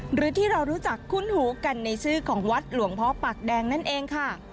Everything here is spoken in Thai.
หรือที่เรารู้จักคุ้นหูกันในชื่อของวัดหลวงพ่อปากแดงนั่นเองค่ะ